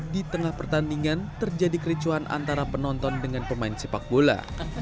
di tengah pertandingan terjadi kericuhan antara penonton dengan pemain sepak bola